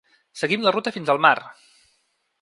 Seguim la ruta fins al mar!